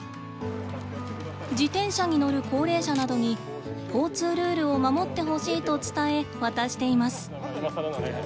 自転車に乗る高齢者などに交通ルールを守ってほしいと伝え渡しています。